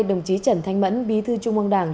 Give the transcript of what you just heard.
đồng chí trần thanh mẫn bí thư trung ương đảng